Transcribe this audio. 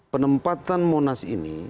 penempatan monas ini